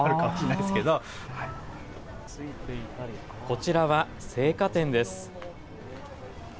こちらは生花店です。